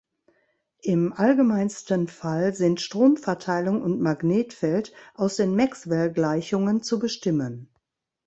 Im allgemeinsten Fall sind Stromverteilung und Magnetfeld aus den Maxwellgleichungen zu bestimmen.